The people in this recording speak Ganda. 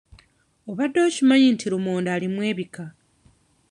Obadde okimanyi nti lumonde alimu ebika?